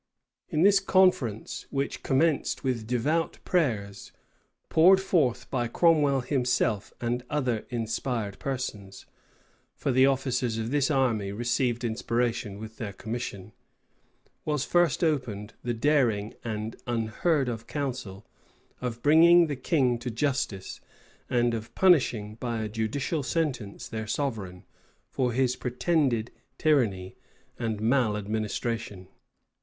In this conference, which commenced with devout prayers, poured forth by Cromwell himself and other inspired persons, (for the officers of this army received inspiration with their commission,) was first opened the daring and unheard of counsel, of bringing the king to justice, and of punishing, by a judicial sentence, their sovereign, for his pretended tyranny and maleadministration.